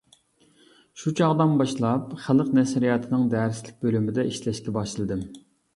شۇ چاغدىن باشلاپ خەلق نەشرىياتىنىڭ دەرسلىك بۆلۈمىدە ئىشلەشكە باشلىدىم.